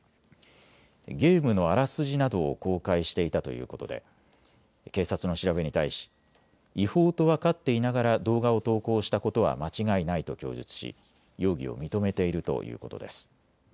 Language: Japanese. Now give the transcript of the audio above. ゲームのあらすじなどを公開していたということで警察の調べに対し違法と分かっていながら動画を投稿したことは間違いないと供述し、容疑を認めているということです。